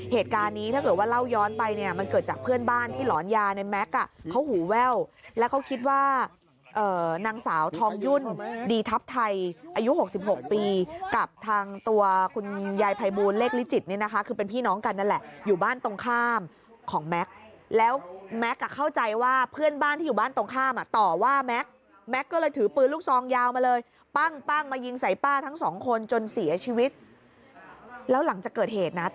เหตุการณ์นี้ถ้าเกิดว่าเล่าย้อนไปเนี่ยมันเกิดจากเพื่อนบ้านที่หลอนยาในแม็กเขาหูแววแล้วเขาคิดว่านางสาวทองยุ่นดีทัพไทยอายุ๖๖ปีกับทางตัวคุณยายพายบูนเล็กลิจิตนี่นะคะคือเป็นพี่น้องกันนั่นแหละอยู่บ้านตรงข้ามของแม็กแล้วแม็กเข้าใจว่าเพื่อนบ้านที่อยู่บ้านตรงข้ามต่อว่าแม็กแม็กก็เลยถือป